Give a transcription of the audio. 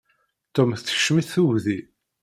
Tom tekcem-it tegdi.